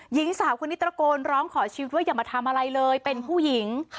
หญิงสาวคนนี้ตระโกนร้องขอชีวิตว่าอย่ามาทำอะไรเลยเป็นผู้หญิง